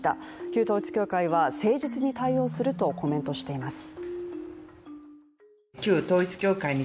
旧統一教会は誠実に対応するとコメントしています。